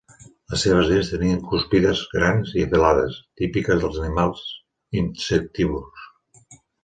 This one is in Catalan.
Les seves dents tenien cúspides grans i afilades, típiques dels animals insectívors.